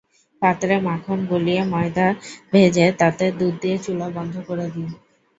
পাত্রে মাখন গলিয়ে ময়দা ভেজে তাতে দুধ দিয়ে চুলা বন্ধ করে দিন।